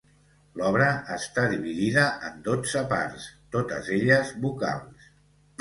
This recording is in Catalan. L'obra està dividida en dotze parts, totes elles vocals.